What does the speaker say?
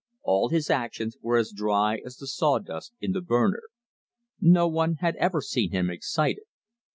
All his actions were as dry as the saw dust in the burner. No one had ever seen him excited.